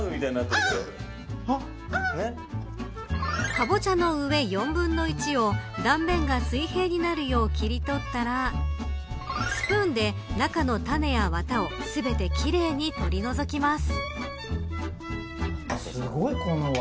カボチャの上４分の１を断面が水平になるよう切り取ったらスプーンで中の種やわたを全て奇麗に取り除きます。